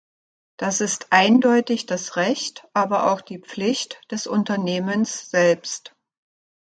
Das ist eindeutig das Recht, aber auch die Pflicht des Unternehmens selbst.